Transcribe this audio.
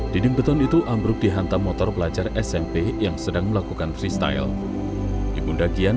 dinding beton itu ambruk dihantar motor pelajar smp yang sedang melakukan freestyle ibu daghia